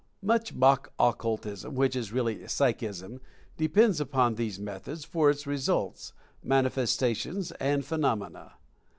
Much mock occultism, which is really "psychism," de pends upon these methods for its results, manifesta tion, and phenomena.